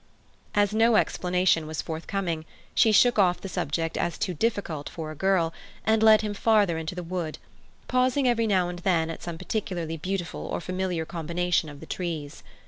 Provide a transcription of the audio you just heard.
As no explanation was forthcoming, she shook off the subject as too difficult for a girl, and led him further into the wood, pausing every now and then at some particularly beautiful or familiar combination of the trees.